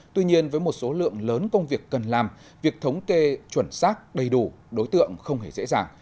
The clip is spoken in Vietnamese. tuy nhiên với một số lượng lớn công việc cần làm việc thống kê chuẩn xác đầy đủ đối tượng không hề dễ dàng